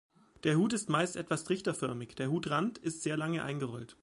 Der Hut ist meist etwas trichterförmig, der Hutrand ist sehr lange eingerollt.